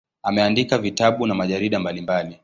Ameandika vitabu na majarida mbalimbali.